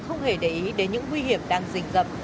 không hề để ý đến những nguy hiểm đang dình dập